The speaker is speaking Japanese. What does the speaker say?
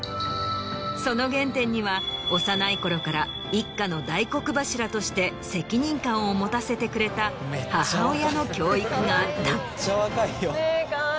その原点には幼いころから一家の大黒柱として責任感を持たせてくれた母親の教育があった。